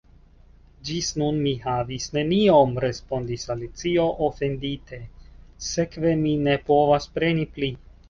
"Ĝis nun mi havis neniom," respondis Alicio, ofendite, "sekve mi ne povas preni pli."